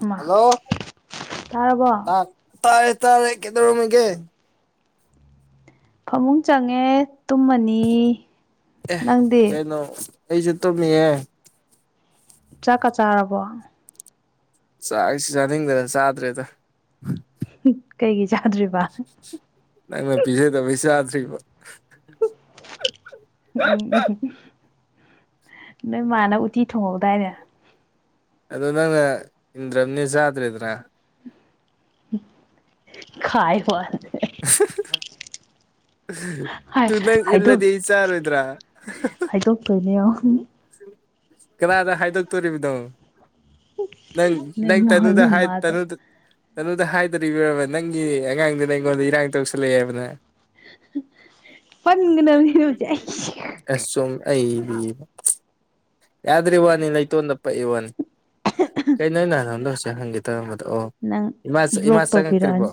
ꯃꯥ ꯍꯜꯂꯣ ꯇꯥꯔꯕꯣ ꯇꯥꯔꯦ ꯇꯥꯔꯦ ꯀꯦꯗꯧꯔꯝꯃꯤꯒ‌ꯦ ꯐꯃꯨꯡ ꯆꯪꯉꯦ ꯇꯨꯝꯃꯅꯤ ꯅꯪꯗꯤ ꯂꯧ ꯑꯩꯁꯨ ꯇꯨꯝꯃꯤꯌ‌ꯦ ꯆꯥꯛꯀ ꯆꯥꯔꯕꯣ ꯆꯥꯛ ꯑꯩꯁꯤ ꯆꯥꯅꯤꯡꯗꯅ ꯆꯥꯗ꯭ꯔꯦꯗ ꯀꯩꯒꯤ ꯆꯥꯗ꯭ꯔꯤꯕ ꯅꯪꯅ ꯄꯤꯖꯗꯕꯩ ꯆꯥꯗ꯭ꯔꯤꯕ [unintelligible] ꯅꯣꯏ ꯃꯥꯅ ꯎꯇꯤ ꯊꯣꯡꯍꯧꯗꯥꯏꯅꯦ ꯑꯗꯨ ꯅꯪꯅ ꯏꯟꯗ꯭ꯔꯝꯅꯤ ꯆꯥꯗ꯭ꯔꯦꯗꯅ ꯈꯥꯏ ꯋꯥꯅꯤ [inaudible] ꯍꯥꯏ ꯇꯨ ꯅꯪ ꯍꯥꯏꯗꯣꯛ ꯏꯜꯂꯗꯤ ꯆꯔꯣꯏꯗ꯭ꯔꯥ ꯀꯗꯤ ꯀꯗꯥꯗ ꯍꯥꯏꯗꯒ ꯇꯧꯔꯤꯔꯤꯕꯗꯣ ꯅꯪ ꯅꯣꯏ ꯅꯪ ꯃꯥ ꯇꯅꯨꯗ ꯅꯣꯏ ꯍꯥꯏ ꯃꯥꯗ ꯇꯅꯨꯗ ꯇꯩꯅꯣꯗ ꯍꯥꯏꯗꯔꯤꯕꯔꯕ ꯅꯪꯒꯤ ꯑꯉꯥꯡꯗꯨꯅ ꯑꯩꯉꯣꯟꯗ ꯏꯔꯥꯡ ꯇꯧꯁꯜꯂꯛꯑꯦꯕꯅ ꯄꯟꯒꯗꯕꯅꯤ ꯍꯧꯖꯤꯛ ꯑꯩ [unintelligible] ꯑꯁ ꯆꯨꯝꯝ ꯑꯩꯕꯤꯕ ꯌꯥꯗ꯭ꯔꯤ ꯋꯥꯅꯤ ꯂꯩꯇꯣꯟꯗ ꯄꯛꯏ ꯋꯥꯅꯤ ꯀꯩꯅꯣ ꯅꯍꯥꯟꯗꯝꯗ ꯍꯧꯖꯤꯛ ꯍꯪꯒꯦ ꯇꯧꯔꯝꯕꯗꯣ ꯑꯣ ꯅꯪ ꯍꯤꯃꯥ ꯍꯤꯃꯥ ꯕ꯭ꯂꯣꯛ ꯆꯉ ꯇ꯭ꯔꯤꯔꯤꯕꯣ ꯇꯧꯕꯤꯔꯛꯑꯅꯤ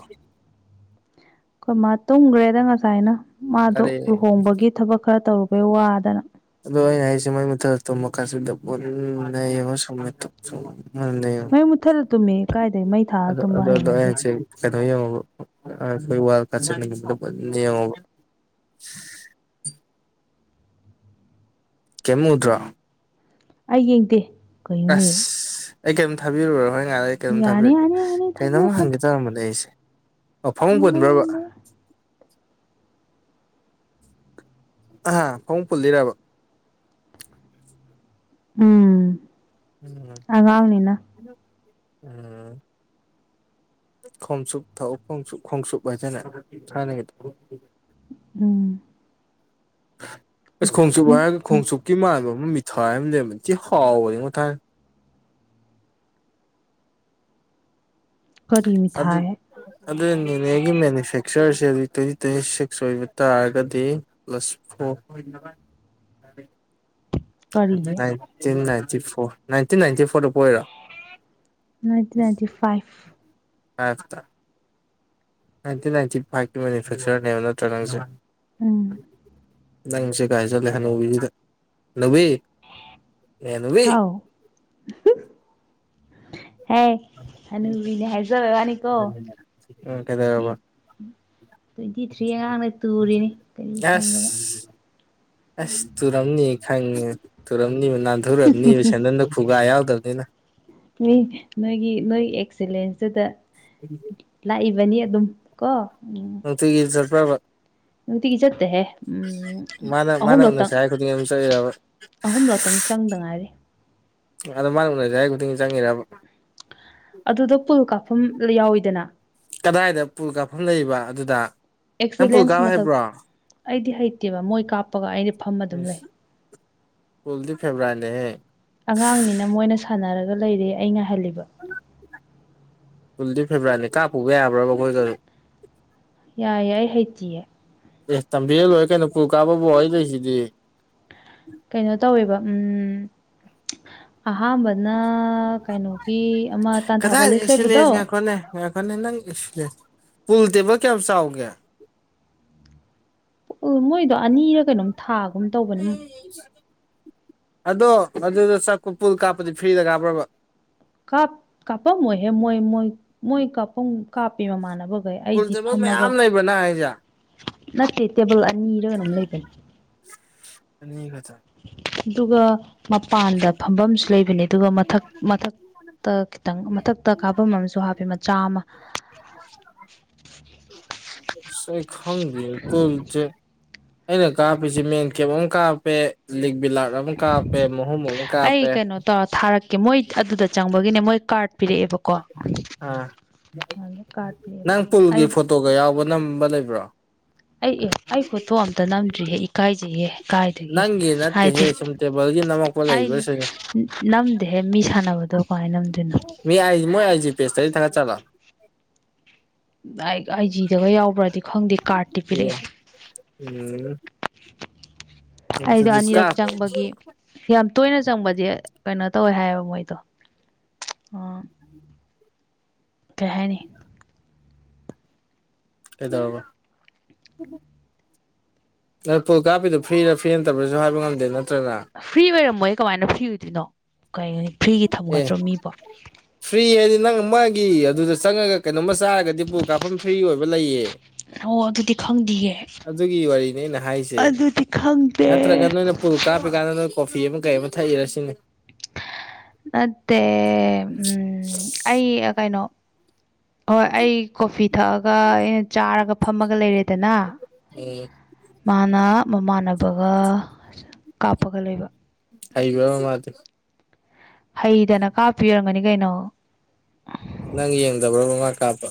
ꯑꯩꯈꯣꯏ ꯃꯥ ꯇꯨꯝꯈ꯭ꯔꯦꯗ ꯉꯁꯥꯏꯅ ꯃꯥꯗꯣ ꯑꯔꯦ ꯂꯨꯍꯣꯡꯕꯒꯤ ꯊꯕꯛ ꯈꯔ ꯇꯧꯔꯨꯕꯩ ꯋꯥꯗꯅ ꯑꯗꯣ ꯑꯩꯅ ꯍꯥꯏꯁꯦ ꯃꯣꯏ ꯃꯊꯛ ꯇ ꯃꯈꯥꯁꯤꯗ ꯄꯨꯟꯅ ꯌꯦꯡꯉ ꯁꯨꯝ ꯃꯩ ꯃꯨꯠꯊꯠꯂ ꯇꯨꯝꯃꯦ ꯀꯥꯏꯗꯩ ꯃꯩ ꯊꯥꯜꯂ ꯇꯨꯝꯕ ꯍꯩꯅꯗꯦ [unintelligible] [unintelligible] ꯀꯦꯝꯎꯗ꯭ꯔꯥ ꯑꯩ ꯌꯦꯡꯗꯦ ꯀꯩꯅꯣꯅꯦ ꯑꯁ ꯑꯩ ꯀꯔꯤꯝꯇ ꯊꯥꯕꯤꯔꯨꯔꯣ ꯍꯣꯏ ꯉꯥꯏꯥ ꯀꯩꯅꯣꯝ ꯌꯥꯅꯤ ꯊꯥꯕꯤꯔꯛꯀꯦ ꯌꯥꯅꯤ ꯌꯥꯅꯤ ꯀꯩꯅꯣꯝ ꯊꯥꯕꯤꯔꯛꯀꯅꯨ ꯍꯪꯒꯦ ꯇꯧꯔꯝꯕꯅꯦ ꯑꯩꯁꯦ ꯑꯣ ꯐꯃꯨꯡ ꯉꯝꯃꯔꯣꯏ ꯄꯨꯟꯕ꯭ꯔꯕ ꯉꯝꯃꯔꯣꯏ ꯑꯍꯥ ꯐꯃꯨꯡ ꯄꯨꯜꯂꯤꯔꯕ ꯎꯝ ꯎꯝ ꯑꯉꯥꯡꯅꯤꯅ ꯎꯝ ꯈꯣꯡꯆꯨꯞ ꯊꯥꯎ ꯈꯣꯡꯆꯞ ꯈꯣꯡꯆꯨꯞ ꯍꯥꯏꯗꯅ ꯁꯥꯟꯅꯈꯤꯗ ꯑꯗꯨꯝ ꯑꯁ ꯈꯣꯡꯁꯨ ꯒ ꯎꯝ ꯎꯝ ꯈꯣꯡꯆꯨꯞꯀꯤ ꯃꯥꯟꯕ ꯑꯃ ꯃꯤꯊꯥꯏ ꯑꯃ ꯂꯩꯔꯕꯗꯤ ꯍꯥꯎꯕ ꯌꯦꯉꯣꯊꯥꯏ ꯀꯔꯤ ꯑꯗꯨ ꯃꯤꯊꯥꯏ ꯑꯗꯨ ꯅꯦꯅꯦꯒꯤ ꯃꯦꯅꯤꯐꯦꯛꯆꯔꯁꯦ ꯍꯧꯛ ꯇ꯭ꯋꯦꯟꯇꯤ ꯇ꯭ꯋꯦꯟꯇꯤ ꯁꯤꯛꯁ ꯑꯣꯏꯕ ꯇꯥꯔꯒꯗꯤ ꯄ꯭ꯂꯁ ꯐꯣꯔ ꯀꯔꯤꯌꯦ nineteen ninety four nineteen ninety ꯐꯣꯔꯗ ꯑꯣꯏꯔꯥ ꯅꯥꯏꯟꯇꯤꯟ ꯅꯥꯏꯟꯇꯤ ꯐꯥꯏꯚ ꯑ ꯇ ꯅꯥꯏꯟꯇꯤꯟ ꯅꯥꯏꯟꯇꯤ ꯐꯥꯏꯚꯀꯤ ꯃꯦꯅꯤꯐꯦꯛꯆꯔꯅꯦꯕ ꯅꯠꯇ꯭ꯔꯥ ꯅꯪꯁꯦ ꯎꯝ ꯅꯪꯁꯦ ꯀꯥꯏ ꯆꯠꯂꯦ ꯍꯅꯕꯤꯁꯤꯗ ꯍꯅꯕꯤ ꯍꯥꯎ ꯍꯦ ꯑꯅꯦ ꯍꯥꯏꯦꯖꯅꯤ ꯀꯦꯗꯕ ꯇ꯭ꯋꯦꯟꯇꯤ ꯊ꯭ꯔꯤ ꯑꯉꯥꯡꯅ ꯇꯨꯔꯤꯅꯤ ꯀꯔꯤ ꯈꯪꯗꯅ ꯑꯁ ꯑꯁ ꯇꯨꯔꯝꯅꯤ ꯈꯪꯉꯦ ꯇꯨꯔꯝꯅꯤꯕ ꯅꯥꯟꯊꯣꯔꯝꯅꯤꯕ ꯁꯦꯟꯗꯟꯗ ꯈꯨꯒꯥ ꯌꯥꯎꯗꯕꯅꯤꯅ ꯅꯣꯏꯒꯤ ꯅꯣꯏꯒꯤ ꯑꯦꯛꯁꯂꯦꯟꯁꯇꯨꯗ ꯎꯝ ꯂꯥꯛꯏꯕꯅꯤ ꯑꯗꯨꯝ ꯀꯣ ꯎꯝ ꯅꯨꯡꯇꯤꯒꯤ ꯆꯠꯄꯥꯕ ꯉꯇꯒꯤ ꯆꯠꯇꯦ ꯃꯥꯅ ꯃꯥꯅ ꯎꯅꯁꯤ ꯍꯥꯏ ꯈꯨꯗꯤꯡ ꯑꯃ ꯆꯠꯂꯕ ꯑꯍꯨꯝꯂꯛꯇꯪ ꯆꯪꯗ ꯉꯥꯏꯔꯤ ꯑꯗꯣ ꯃꯥꯅ ꯎꯅꯔꯁꯦ ꯑꯩ ꯈꯨꯗꯤꯡꯒꯤ ꯆꯪꯉꯤꯔꯕ ꯑꯗꯨꯗ ꯄꯨꯜ ꯀꯥꯞꯐꯝ ꯌꯥꯎꯋꯤꯗꯅ ꯀꯗꯥꯏꯗ ꯄꯨꯜ ꯀꯥꯞꯐꯝ ꯂꯩꯕ ꯑꯗꯨꯗ ꯅꯪ ꯄꯨꯜ ꯑꯦꯛꯁꯂꯦꯟꯁ ꯀꯥꯞꯕ ꯃꯊꯛ ꯍꯥꯏꯕ꯭ꯔꯣ ꯑꯩꯗꯤ ꯍꯩꯇꯦꯕ ꯃꯣꯏ ꯀꯥꯞꯄꯒ ꯑꯩꯗꯤ ꯐꯝ ꯑꯗꯨꯝ ꯂꯩ ꯀꯜꯗꯤ ꯐꯦꯕ꯭ꯔꯥꯅꯦꯍꯦ ꯑꯉꯥꯡꯅꯤꯅ ꯃꯣꯏꯅ ꯁꯥꯟꯅꯔꯒ ꯂꯩꯔꯦ ꯑꯩꯅ ꯍꯜꯂꯤꯕ ꯀꯨꯟꯗ ꯐꯦꯕꯋꯥꯔꯤꯅꯦ ꯀꯥꯞꯄꯨꯕ ꯌꯥꯕ꯭ꯔꯕ ꯃꯣꯏꯒꯁꯨ ꯌꯥꯏꯦꯏ ꯍꯩꯇꯌꯦꯦ ꯑꯦ ꯇꯝꯕꯤꯔ ꯂꯣꯏꯔꯦ ꯀꯩꯅꯣ ꯀꯨ ꯀꯥꯕꯕꯨꯣ ꯑꯩ ꯂꯩꯁꯤꯗꯤ ꯀꯩꯅꯣ ꯇꯧꯋꯦꯕ ꯎꯝ ꯑꯍꯥꯥꯟꯕꯅ ꯀꯩꯅꯣꯒꯤ ꯑꯃ ꯇꯥꯟꯊꯥ ꯕꯣꯂꯦꯖ ꯂꯩꯕꯗꯣ ꯍ ꯐꯅꯤ ꯅꯪ ꯄꯨꯜ ꯇꯦꯕ ꯀꯌꯥꯝ ꯆꯥꯎꯒꯦ ꯎ ꯃꯣꯏꯗꯣ ꯑꯅꯤꯔ ꯀꯩꯅꯣꯝ ꯊꯥꯒꯨꯝ ꯇꯧ ꯑꯗꯣ ꯑꯗꯨꯗ ꯆꯥꯛꯀꯣ ꯄꯨꯜ ꯀꯥꯞꯄꯗꯤ ꯐ꯭ꯔꯤꯗ ꯀꯥꯞꯄ꯭ꯔꯕ ꯀꯞ ꯀꯄꯝꯍꯦ ꯃꯣꯏ ꯃꯣꯏ ꯃꯣꯏ ꯀꯄ ꯀꯥꯞꯄꯦ ꯃꯃꯥꯟꯅꯕꯈꯩ ꯄꯨꯜ ꯑꯩꯗꯤ ꯇꯦꯕꯜ ꯐꯝꯃꯒ ꯃꯌꯥꯝ ꯂꯩꯕ꯭ꯔ ꯅꯪ ꯍꯥꯏꯁꯦ ꯅꯠꯇꯦ ꯇꯦꯕꯜ ꯑꯅꯤꯔꯒꯩꯅꯝ ꯂꯩꯒꯅꯤ ꯑ ꯀꯖ ꯑꯗꯨꯒ ꯃꯄꯥꯟꯗ ꯐꯝꯐꯝꯁꯨ ꯂꯩꯕꯅꯦ ꯑꯗꯨꯒ ꯃꯊꯛ ꯃꯊꯛ ꯇ ꯈꯤꯇꯪ ꯃꯊꯛꯇ ꯀꯥꯐꯝ ꯑꯃꯁꯨ ꯍꯥꯞꯄꯤ ꯃꯆꯥ ꯑꯃ [inaudible] ꯑꯁ ꯑꯩ ꯈꯪꯗꯦ ꯄꯨꯜꯁꯦ ꯑꯩꯅ ꯀꯥꯞꯄꯤꯁꯦ ꯃꯦꯟ ꯀꯦꯞ ꯑꯃ ꯀꯥꯞꯄꯦ ꯂꯤꯛ ꯕꯤꯂꯥꯠ ꯑꯃ ꯀꯥꯞꯄꯦ ꯃꯍꯨꯝ ꯑꯃ ꯑꯩ ꯀꯥꯞꯄꯦ ꯀꯩꯅꯣ ꯇꯧꯔ ꯊꯥꯔꯛꯀꯦ ꯃꯣꯏ ꯑꯗꯨꯗ ꯆꯪꯕꯒꯤꯅꯦ ꯃꯣꯏ ꯀꯥꯔꯠ ꯄꯤꯔꯛꯑꯦꯕ ꯑꯥ ꯀꯥꯔꯠ ꯄꯤꯔꯛꯑꯦꯕ ꯅꯪ ꯄꯨꯜꯒꯤ ꯑꯩ ꯐꯣꯇꯣꯒ ꯌꯥꯎꯕ ꯅꯝꯕ ꯂꯩꯕ꯭ꯔꯣ ꯑꯩ ꯑꯩ ꯐꯣꯇꯣ ꯑꯝꯇ ꯅꯝꯗ꯭ꯔꯤꯍꯦ ꯏꯀꯥꯏꯁꯤꯩꯍꯦ ꯀꯥꯏꯗꯒꯤ ꯅꯪꯒꯤ ꯍꯥꯏꯗꯤ ꯅꯠꯇꯦꯍꯦ ꯁꯨꯝ ꯇꯦꯕꯜꯒꯤ ꯅꯝꯃꯛꯄ ꯑꯩ ꯂꯩꯕ꯭ꯔꯥ ꯁꯤꯅꯤ ꯅꯝꯗꯦꯍꯦ ꯃꯤ ꯁꯥꯟꯅꯕꯗꯣ ꯀꯃꯥꯏꯅ ꯅꯝꯗꯣꯏꯅꯣ ꯃꯤ ꯑ ꯃꯣꯏ ꯑꯥꯏꯁꯤ ꯄꯦꯁꯇ ꯊꯪꯒ ꯆꯂ ꯑꯩꯖꯤꯗꯒ ꯌꯥꯎꯕ꯭ꯔꯗꯤ ꯈꯪꯗꯦ ꯀꯥꯔꯇꯤ ꯄꯤꯔꯛꯑꯦ ꯎꯝ ꯑꯩꯗꯣ ꯑꯗꯨꯗꯤ ꯑꯅꯤꯔꯛ ꯀꯥꯞ ꯆꯪꯕꯒꯤ ꯌꯥꯝ ꯇꯣꯏꯅ ꯆꯪꯕꯗꯤ ꯀꯩꯅꯣ ꯇꯧꯋꯦ ꯍꯥꯏꯌꯦꯕ ꯃꯣꯏꯗꯣ ꯑ ꯀ ꯍꯥꯏꯦꯅꯤ ꯑꯦꯗꯕ ꯅ ꯄꯣꯠ ꯀꯥꯞꯄꯤꯗꯨꯣ ꯐꯤꯔꯥ ꯐꯤ ꯅꯠꯇꯕ꯭ꯔꯁꯨ ꯍꯥꯏꯕ ꯉꯝꯗꯦ ꯅꯠꯇ꯭ꯔꯅ ꯐ꯭ꯔꯤ ꯑꯣꯏꯔꯝꯃꯣꯏ ꯀꯃꯥꯏꯅ ꯐ꯭ꯔꯤ ꯑꯣꯏꯗꯣꯏꯅꯣ ꯀꯩ ꯐ꯭ꯔꯤꯒꯤ ꯑꯦ ꯊꯝꯒꯗ꯭ꯔꯣ ꯃꯤꯕꯣ ꯐ꯭ꯔꯤ ꯍꯥꯏꯗꯤ ꯅꯪ ꯑꯃꯒꯤ ꯑꯗꯨꯗ ꯆꯪꯉꯒ ꯀꯩꯅꯣꯝꯃ ꯆꯥꯔꯒꯗꯤ ꯄꯨ ꯀꯥꯞꯐꯝ ꯐ꯭ꯔꯤ ꯑꯣꯏꯕ ꯂꯩꯌꯦ ꯑꯣ ꯑꯗꯨꯗꯤ ꯈꯪꯗꯤꯌꯦ ꯑꯗꯨꯒꯤ ꯋꯥꯔꯤꯅꯤ ꯑꯩꯅ ꯍꯥꯏꯁꯦ ꯑꯗꯨꯗꯤ ꯈꯪꯗꯦ ꯅꯠꯇ꯭ꯔꯒ ꯅꯣꯏꯅ ꯄꯨꯜ ꯀꯥꯞꯄ ꯀꯥꯟꯗ ꯅꯣꯏ ꯀꯣꯐꯤ ꯑꯃ ꯀꯩ ꯑꯃ ꯊꯛꯏꯔ ꯁꯤꯅꯦ ꯅꯠꯇꯦ ꯎꯝ ꯑꯩ ꯀꯩꯅꯣ ꯍꯣꯏ ꯑꯩ ꯀꯣꯐꯤ ꯊꯛꯑꯒ ꯑꯩꯅ ꯆꯥꯔꯒ ꯐꯝꯃꯒ ꯂꯩꯔꯦꯗꯅ ꯎꯝ ꯃꯥꯅ ꯃꯃꯥꯟꯅꯕꯒ ꯀꯥꯞꯄꯒ ꯂꯩꯕ ꯍꯥꯏꯕꯔꯕ ꯃꯗꯤ ꯍꯩꯗꯅ ꯀꯥꯞꯄꯤ ꯑꫭꯏꯔꯝꯒꯅꯤ ꯀꯩꯅꯣ ꯅꯪ ꯌꯦꯡꯗꯕ꯭ꯔꯣ ꯃꯅꯥ ꯀꯥꯞꯄ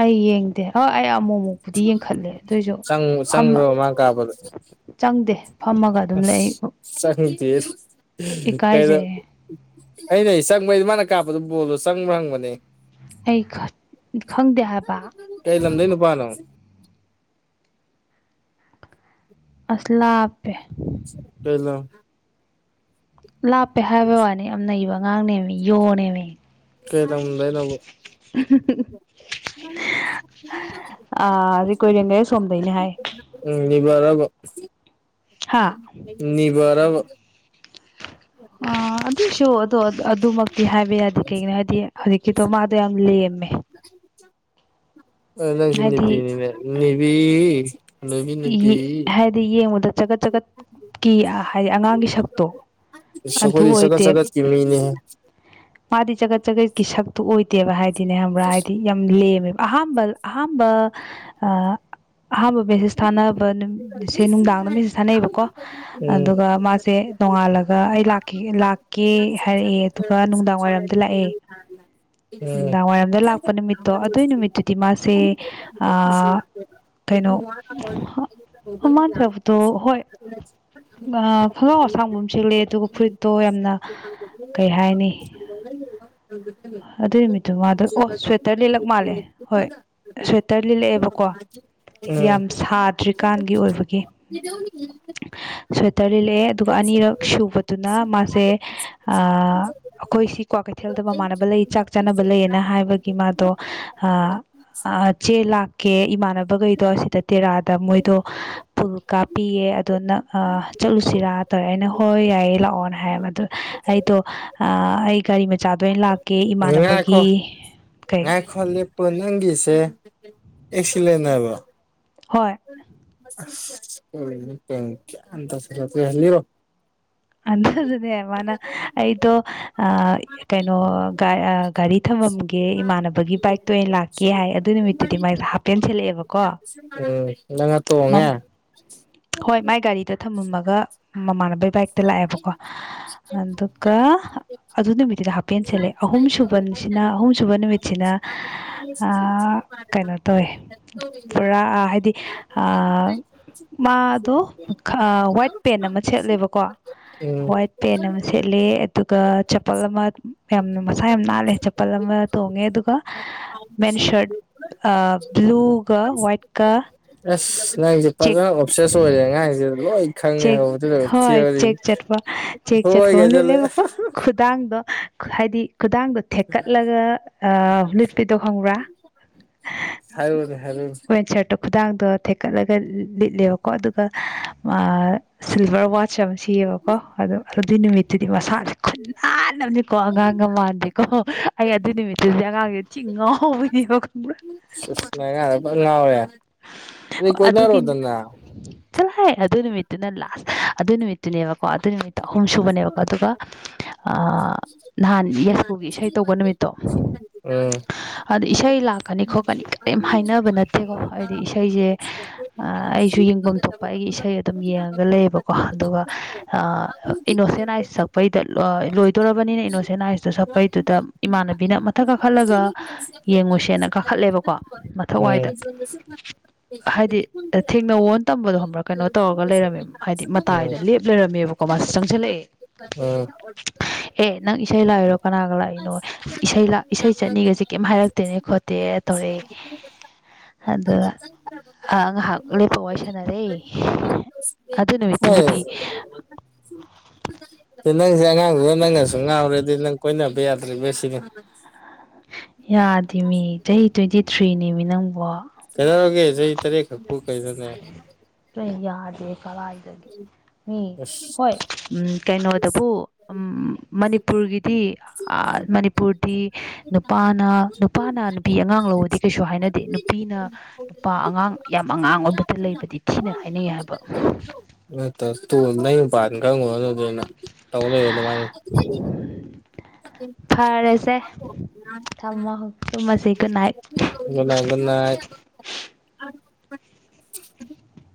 ꯑꯩ ꯌꯦꯡꯗꯦ ꯍꫭꯏ ꯑꯃꯨꯛ ꯑꯃꯨꯛꯄꯨꯗꯤ ꯌꯦꯡꯈꯠꯂꯦ ꯑꯗꫭꯏꯁꯨ ꯆꯪ ꯐꯝꯃ ꯆꯪꯕ꯭ꯔꯕ ꯃꯥ ꯀꯥꯞꯄꯗꯣ ꯆꯪꯗꯦ ꯐꯝꯃꯒ ꯑꯗꯨꯝ ꯂꯩꯑꯕꯨ ꯆꯪꯗ ꯀꯩꯅꫭ ꯑꯩꯅ ꯑꯩ ꯆꯪꯕꯩ ꯃꯥꯅ ꯀꯥꯞꯄꯗꯨ ꯕꯣꯜꯗꯣ ꯆꯪꯕ꯭ꯔꯥ ꯍꯪꯕꯅꯦ ꯑꯩ ꯈꯪꯗꯦ ꯍꯥꯏꯕ ꯀꯩ ꯂꯝꯗ ꯅꯨꯄꯥꯅꯣ ꯑꯂꯥꯞꯄꯦ ꯀꯩꯩꯅ ꯂꯥꯞꯄꯦ ꯍꯥꯏꯕ ꯋꯥꯅꯤ ꯌꯥꯝ ꯅꯩꯕ ꯑꯉꯥꯡꯅꯦꯃꯤ ꯌꯣꯅꯦꯃꯤ ꯀꯩ ꯇ ꯍꯗꯣꯏꯅꯕꯨ ꯑ ꯑꯗꯨ ꯀꯣꯏꯔꯦꯡꯒꯩ ꯁꯣꯝꯗꯅꯦ ꯍꯥꯏ ꯎꯅꯤꯕꯔꯕꯣ ꯍꯥꯥ ꯅꯤꯕꯔ ꯑ ꯑꯗꯨꯁꯨ ꯑꯗꯣ ꯑꯗꯨꯃꯛꯇꯤ ꯍꯥꯏꯕ ꯌꯥꯗꯦ ꯀꯩꯒꯤꯅꯣ ꯍꯥꯏꯗꯤ ꯍꯧꯖꯤꯛꯀꯤꯗꯣ ꯃꯥꯗꯣ ꯌꯥꯝ ꯂꯦꯝꯃꯦ ꯑꯥ ꯅꯪꯁꯨ ꯍꯥꯏꯗꯤ ꯅꯨꯄꯤꯅꯤꯅ‌ꯦ ꯅꯤꯕꯤ ꯍꯅꯨꯕꯤ ꯅꯨꯄꯤ ꯍꯥꯏꯗꯤ ꯌꯦꯡꯕꯗ ꯆꯒꯠ ꯆꯒꯠꯀꯤ ꯍꯥꯏꯗꯤ ꯑꯉꯥꯡꯒꯤ ꯁꯛꯇꯣ ꯏꯁ ꯑꯗꯨ ꯑꯩꯈꫭꯗ ꯆꯒꯠ ꯑꯣꯏꯗꯦ ꯆꯒꯠꯀꯤ ꯃꯤꯅꯤꯍ‌ꯦ ꯃꯥꯗꯤ ꯆꯖꯒꯠ ꯆꯖꯒꯠꯀꯤ ꯁꯛꯇꯨ ꯑꯣꯏꯗꯦꯕ ꯍꯥꯏꯗꯤꯅꯦ ꯍꯥꯏꯗꯤ ꯌꯥꯝ ꯂꯦꯝꯃꯦꯕ ꯑꯍꯝꯕ ꯑꯍꯥꯝꯕ ꯑ ꯑꯍꯥꯟꯕ ꯃꯦꯁꯦꯁ ꯊꯥꯅꯕ ꯅꯨꯁꯦ ꯅꯨꯡꯗꯥꯡꯗ ꯃꯦꯁꯦꯁ ꯊꯥꯅꯩꯕꯀꯣ ꯎꯝ ꯑꯗꯨꯒ ꯃꯥꯁꯦ ꯅꯥꯡꯉꯥꯜꯂꯒ ꯑꯩ ꯂꯥꯛꯀꯦ ꯂꯥꯛꯀ‌ꯦ ꯍꯥꯏꯔꯛꯑꯦ ꯑꯗꯨꯒ ꯅꯨꯡꯗꯥꯡ ꯆ [unintelligible] ꯅꯨꯡꯗꯥꯡꯋꯥꯏꯔꯝꯗ ꯂꯥꯛꯄ ꯅꯨꯃꯤꯠꯇꯣ ꯑꯗꯨꯏ ꯅꯨꯃꯤꯠꯇꯨꯗꯤ ꯃꯥꯁꯦ ꯑꯥ ꯀꯩꯅꯣ ꯃꯕꯩ ꯂ ꯊꯁꯦ [unintelligible] ꯑ ꯈꯨꯡꯒꯥꯎ ꯑꯁꯥꯡꯕ ꯑꯃ ꯆꯦꯂꯑꯦ ꯑꯗꯨꯒ ꯐꯨꯔꯤꯠꯇꯣ ꯌꯥꯝꯅ ꯀꯩ ꯍꯥꯏꯅꯤ ꯑꯗꯨ ꯈꯛꯇꯅꯦ ꯑꯗꯨꯏ ꯅꯨꯃꯤꯠꯇꯨ ꯃꯥꯗꯣ ꯑꯣ ꯁ꯭ꯋꯦꯇꯔ ꯂꯤꯜꯂꯛ ꯃꯥꯜꯂꯦ ꯍꯣꯏ ꯁ꯭ꯋꯦꯇꯔ ꯂꯤꯠꯂꯛꯑꯦꯕꯀꯣ ꯎꯝ ꯌꯥꯝ ꯁꯥꯗ꯭ꯔꯤꯀꯥꯟꯒꯤ ꯑꯣꯏꯕꯒꯤ ꯁ꯭ꯋꯦꯇꯔ ꯂꯤꯠꯂꯛꯑꯦ ꯑꯗꯨꯒ ꯑꯅꯤꯔꯛ ꯁꯨꯕꯗꯨꯅ ꯃꯥꯁꯦ ꯑ ꯑꯩꯈꫭꯏꯁꯤ ꯀꯋꯥꯛꯀꯩꯊꯦꯜꯗ ꯃꯃꯥꯟꯅꯕ ꯂꯩ ꯆꯥꯛ ꯆꯥꯅꯕ ꯂꯩꯌꯦꯅ ꯍꯥꯏꯕꯒꯤ ꯃꯥꯗꯣ ꯑ ꯑ ꯆꯦ ꯂꯥꯛꯀꯦ ꯏꯃꯥꯟꯅꯕꯒꯩꯗꯣ ꯑꯁꯤꯗ ꯇꯦꯔꯥꯗ ꯃꯣꯏꯗꯣ ꯀꯥꯞꯄꯤꯌꯦ ꯑꯗꯣ ꯅꯪ ꯆꯠꯂꯨꯁꯤꯔꯥ ꯇꯧꯔꯦ ꯑꯩꯅ ꯍꯣꯏ ꯌꯥꯏꯌꯦ ꯂꯥꯛꯑꯣꯅ ꯍꯥꯏꯌꯦꯕ ꯑꯗꯨ ꯑꯩꯗꯣ ꯑ ꯑꯩ ꯒꯥꯔꯤ ꯃꯆꯥꯗ ꯑꫭꯏ ꯂꯥꯛ ꯉꯥꯏꯈꯣ ꯉꯥꯏ ꯈꯔ ꯂꯦꯞꯄ ꯅꯪꯒꯤꯁꯦ ꯑꯦꯛꯁꯤꯂꯦꯟ ꯍꯥꯏꯕ ꯍꯣꯏ ꯃꯊꯪꯇꯤ ꯀꯔꯤꯅꫭ ꯒꯥꯟ ꯒꯥꯟ ꯇꯥꯁꯤꯜ ꯂꯛꯇꯔꯦ ꯂꯤꯔꫭ ꯑꯗꯨꯗꯨꯅꯦ ꯃꯥꯅ ꯑꯩ ꯇꯣ ꯑ ꯀꯩꯅꯣ ꯒꯥꯔꯤ ꯊꯝꯐꯝ ꯒꯦ ꯏꯃꯥꯟꯅꯕꯒꯤ ꯕꯥꯏꯛꯇ ꯑꫭꯏꯅ ꯂꯥꯛꯀꯦ ꯍꯥꯏ ꯑꯗꯨ ꯅꯨꯃꯤꯠꯇꯨꯗꯤ ꯃꯥꯏ ꯍꯥꯄꯦꯟ ꯁꯦꯠꯂꯛꯑꯦꯕꯀꯣ ꯎꯝ ꯅꯪꯅ ꯃꯝ ꯇꯣꯡꯉꯦ ꯍꯣꯏ ꯃꯥꯏ ꯒꯥꯔꯤꯗꫭ ꯊꯝꯃꯝꯃꯒ ꯃꯃꯥꯟꯅꯕꯩ ꯕꯥꯏꯛꯇ ꯂꯥꯛꯑꯦꯕꯀꯣ ꯑꯗꯨꯒ ꯑꯗꯨ ꯅꯨꯃꯤꯠꯇꯨꯗꯤ ꯍꯥꯞꯄꯦꯟꯁꯜꯂꯦ ꯑꯍꯨꯝꯁꯨꯨꯕꯁꯤꯅ ꯑꯍꯨꯝꯁꯨꯕ ꯅꯨꯃꯤꯠꯁꯤꯅ ꯑ ꯏꯪ ꯀꯩꯅꯣ ꯏ ꯇꯧꯋꯦ [unintelligible] ꯄꯨꯔꯥ ꯍꯥꯏꯗꯤ ꯑ ꯃꯥꯗꯣ ꯋꯥꯏꯠ ꯄꯦꯟ ꯑꯃ ꯁꯦꯠꯂꯦꯕꯀꯣ ꯎꯝ ꯋꯥꯏꯠ ꯄꯦꯟ ꯑꯃ ꯁꯦꯠꯂꯦ ꯑꯗꯨꯒ ꯆꯝꯄꯜ ꯑꯃ ꯌꯥꯝꯅ ꯃꯁꯥ ꯌꯥꯝ ꯅꯥꯜꯂꯦ ꯆꯝꯄꯜ ꯑꯃ ꯇꯣꯡꯉꯦ ꯑꯗꯨꯒ ꯃꯦꯟ ꯁꯔꯠ ꯕ꯭ꯂꯨꯒ ꯋꯥꯏꯠꯀ ꯑꯁ ꯅꯪꯁꯦ ꯆꯦꯛ ꯐꯖꯅ ꯑꯣꯞꯁꯦꯁ ꯑꯣꯏꯔꯦ ꯑꯉꯥꯡꯁ‌ꯦ ꯂꯣꯏ ꯈꯪꯉꯦ ꯆꯦꯛ ꯍ ꯑꯗꯨꯗ ꯍꯣꯏ ꯊꯤꯗꯤ ꯆꯦꯛ ꯆꯠꯄ ꯍꯣꯏꯒ ꯍꯥꯏꯖꯤꯜꯂꯦ ꯈꯨꯗꯥꯥꯡꯗꫭ ꯍꯥꯏꯗꯤ ꯈꯨꯗꯥꯡꯗꫭ ꯊꯦꯛꯀꯠꯂꯒ ꯑ ꯂꯤꯠꯄꯤꯗꯣ ꯈꯪꯕ꯭ꯔꯥ ꯍꯥꯏꯔꫭꯅ‌ꯦ ꯍꯥꯏꯔꫭꯅ‌ꯦ ꯋꯦꯟ ꯁꯔꯠꯇꯣ ꯈꯨꯗꯥꯡꯗꯣ ꯊꯦꯛꯀꯠꯂꯒ ꯂꯤꯠꯂꯦꯕꯀꯣ ꯑꯗꯨꯒ ꯁꯤꯜꯚꯔ ꯋꯥꯁ ꯑꯃ ꯁꯤꯌꯦꯕꯀꯣ ꯑꯗꯖ ꯑꯗꯨꯏ ꯅꯨꯃꯤꯠꯇꯨꯗꯤ ꯃꯁꯥ ꯈꯨꯅꯥꯟ ꯑꯃꯅꯤ ꯀꯣ ꯑꯉꯥꯡꯒ ꯃꯥꯟꯗꯦꯀꯣ ꯑꯩ ꯑꯗꯨ ꯅꯨꯃꯤꯠꯇꯨꯗꯤ ꯑꯉꯥꯡꯖꯦ ꯊꯤ ꯉꯥꯎꯕꯤꯅꯦꯕ ꯈꯪꯕ꯭ꯔꯥ ꯑꯁ ꯑꯁ ꯅꯪ ꯑꯉꯥꯡꯗ ꯐꯅ ꯉꯥꯎꯔꯦ ꯑ ꯑꯗꯨꯗꯤ ꯑꯗꯨꯒꯤ ꯀꯣꯏꯅꯔꯣꯗꯅ ꯆꯠꯂꫭ ꯍꯦ ꯑꯗꯨ ꯅꯨꯃꯤꯠꯇꯨꯅ ꯂꯥꯁ ꯑꯗꯨ ꯅꯨꯃꯤꯠꯇꯨꯅꯦꯕꯀꯣ ꯑꯗꯨ ꯅꯨꯃꯤꯠꯇꯣ ꯑꯍꯨꯝ ꯁꯨꯕꯅꯦꯕꯀꯣ ꯑꯗꯨꯒ ꯅꯍꯥꯟ ꯌꯥꯏꯁꯀꯨꯜꯒꯤ ꯏꯁꯩ ꯇꯧꯕ ꯅꯨꯃꯤꯠꯇꯣ ꯎꯝ ꯑꯗ ꯏꯁꯩ ꯂꯥꯛꯀꯅꯤ ꯈꯣꯠꯀꯅꯤ ꯀꯩꯝ ꯍꯥꯏꯅꯕ ꯅꯠꯇꯦꯀꯣ ꯍꯥꯏꯗꯤ ꯏꯁꯩꯁꯦ ꯑꯩꯁꯨ ꯌꯦꯡꯐꯝ ꯊꯣꯛꯄ ꯑꯩꯒꯤ ꯏꯁꯩ ꯑꯗꯨꯝ ꯌꯦꯡꯉꯒ ꯂꯩꯌꯦꯕꯀꯣ ꯑꯗꯨꯒ ꯏꯅꯣꯁꯦꯟꯑꯥꯏꯁ ꯁꯛꯄꯩꯗ ꯂꯣꯏꯗꯣꯔꯕꯅꯤꯅ ꯏꯅꯣꯁꯦꯟꯑꯥꯏꯁꯇꯣ ꯁꯛꯄꯩꯗꯨꯗ ꯏꯃꯥꯟꯅꯕꯤꯅ ꯃꯊꯛ ꯀꯥꯈꯠꯂꯒ ꯌꯦꯡꯉꯨꯁꯦꯅ ꯀꯥꯈꯠꯂꯦꯕꯀꯣ ꯃꯊꯛꯋꯥꯏꯗ ꯍꯥꯏꯗꯤ ꯑꯗ ꯊꯦꯡꯅꯧꯋꫭꯅ‌ ꯇꯝꯕꯗꯣ ꯈꯪꯔꯥ ꯀꯩꯅꯣ ꯇꯧꯔꯒ ꯂꯩꯔꯝꯃꯦꯕ ꯍꯥꯏꯗꯤ ꯃꯇꯥꯏꯗ ꯂꯦꯞ ꯂꯩꯔꯝꯃꯦꯕꯀꯣ ꯃꯥꯁ ꯆꯪꯁꯤꯜꯂꯛꯑꯦ ꯑꯣ ꯑꯦ ꯅꯪ ꯏꯁꯩ ꯂꯥꯛꯏꯔꯣ ꯀꯅꯥꯒ ꯂꯥꯛꯏꯅꯣ ꯏꯁꯩ ꯏꯁꯩ ꯆꯠꯅꯤꯒꯁꯦ ꯀꯩꯝ ꯍꯥꯏꯔꯛꯇꯦꯅꯦ ꯈꯣꯠꯇ ꯑꯗꯨ ꯊꯧꯣꯔ ꯑꯗꯨꯒ ꯉꯥꯏꯍꯥꯛ ꯂꯦꯞꯄ ꯋꯥꯔꯤ ꯁꯥꯟꯅꯔꯦ ꯑꯗꯨ ꯅꯃꯤ ꯇ ꯎꯗꯤ ꯑ ꯅꯪꯁꯦ ꯑꯉꯥꯡꯗꯨꯗ ꯅꯪꯒꯁꯨ ꯉꯥꯎꯔꯦꯗꯤ ꯅꯪ ꯀꯣꯏꯅꯕ ꯌꯥꯗ꯭ꯔꯤꯕ ꯁꯤꯅꯤ ꯌꯥꯗꯦꯃꯤ ꯆꯍꯤ ꯇ꯭ꯋꯦꯟꯇꯤ ꯊ꯭ꯔꯤꯅꯦꯃꯤ ꯅꯪꯕꯣ ꯇꯔꯔꯒꯦ ꯆꯍꯤ ꯇꯔꯦꯈꯛꯄꯨ ꯀꯩꯗꯅꯦ ꯀ ꯌꯥꯗꯦ ꯀꯗꯥꯥꯏꯗꯒꯦ ꯃꯤ ꯑꯁ ꯍꯣꯏ ꯀꯩꯅꯣꯗꯕꯨ ꯃꯅꯤꯄꯨꯔꯒꯤꯗꯤ ꯃꯅꯤꯄꯨꯔꯗꯤ ꯅꯨꯄꯥꯅ ꯅꯨꯄꯥꯅ ꯅꯨꯄꯤ ꯑꯉꯥꯡ ꯂꯧꯕꯗꯤ ꯀꯩꯁꯨ ꯍꯥꯏꯅꯗꯦ ꯅꯨꯄꯤꯅ ꯅꯨꯄꯥ ꯑꯉꯥꯡ ꯌꯥꯝ ꯑꯉꯥꯡ ꯑꯣꯏꯕꯗ ꯂꯩꯕꯗꯤ ꯊꯤꯅ ꯍꯥꯏꯅꯤꯡꯉꯦ ꯍꯥꯏꯕ ꯅ ꯇ ꯅꯄꯥꯟ ꯈꯪꯉꯣ ꯅ ꯑꯗꯨꯩꯅ ꯇꯧ ꯂꯩꯕ ꯑꯗꯨꯃꯥꯏꯅ ꯎ ꯐꯔꯦꯁꯦ ꯊꯝꯃꯣ ꯆꯨꯝꯃꯁꯤꯒꯅꯥꯏ ꯅꯥꯒꯅ